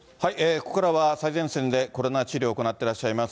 ここからは、最前線でコロナ治療を行ってらっしゃいます